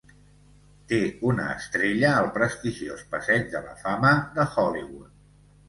Té una estrella al prestigiós passeig de la Fama de Hollywood.